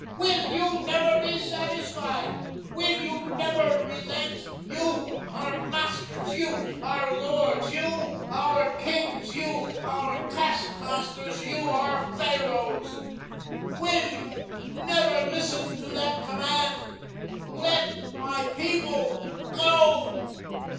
Will you never be satisfied, will you never relent, you, our masters, you, our lords, you, our kings, you, our task masters, you, our Pharoahs. Will you never listen to that command 'LET MY PEOPLE GO'?